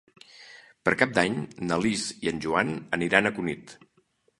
Per Cap d'Any na Lis i en Joan aniran a Cunit.